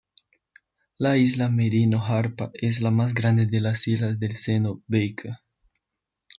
La isla Merino Jarpa es la más grande de las islas del seno Baker.